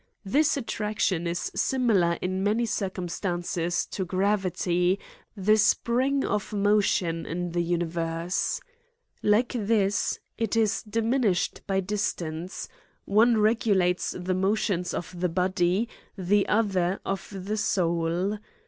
This attraction is siniilar in many cir cumstances to gravity, the spring of motion in the universe. Like this, it is diminished by distance; one regulates the motions of the body, the other of the soul.